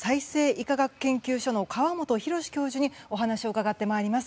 医科学研究所の河本宏教授にお話を伺ってまいります。